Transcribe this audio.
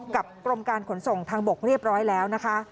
กรมการขนส่งทางบกเรียบร้อยแล้วนะคะ